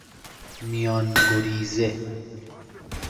میانگریزه